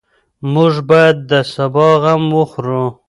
موږ باید د سبا غم وخورو.